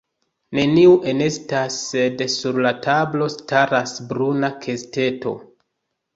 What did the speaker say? Neniu enestas, sed sur la tablo staras bruna kesteto.